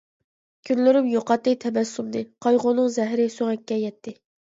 كۈنلىرىم يوقاتتى تەبەسسۇمىنى، قايغۇنىڭ زەھىرى سۆڭەككە يەتتى.